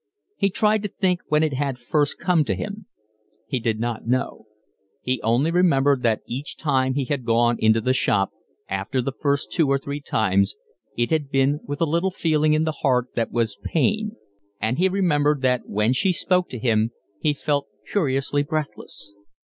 He tried to think when it had first come to him. He did not know. He only remembered that each time he had gone into the shop, after the first two or three times, it had been with a little feeling in the heart that was pain; and he remembered that when she spoke to him he felt curiously breathless.